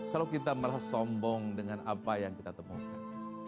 kalau kita merasa sombong dengan apa yang kita temukan